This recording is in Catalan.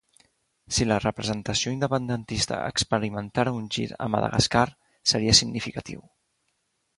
Si la representació independentista experimentara un gir a Madagascar, seria significatiu.